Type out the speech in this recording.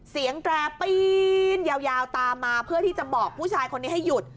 แตรปีนยาวตามมาเพื่อที่จะบอกผู้ชายคนนี้ให้หยุด